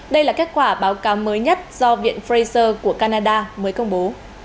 đây là kết quả báo cáo mới nhất do viện fraser của canada mới công bố